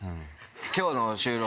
今日の収録。